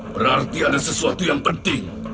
berarti ada sesuatu yang penting